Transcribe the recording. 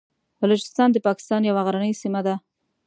بلوچستان د پاکستان یوه غرنۍ سیمه ده.